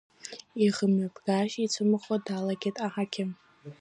Ихымҩаԥгашьа ицәымыӷхо далагеит аҳақьым.